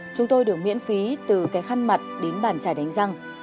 chúng tôi được miễn phí từ cái khăn mặt đến bàn trải đánh răng